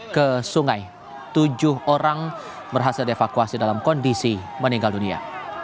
ke sungai tujuh orang berhasil dievakuasi dalam kondisi meninggal dunia